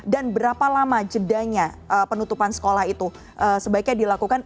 dan berapa lama jedanya penutupan sekolah itu sebaiknya dilakukan